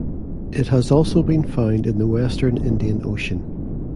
It has also been found in the Western Indian Ocean.